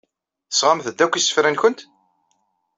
Tesɣamt-d akk isefka-nwent?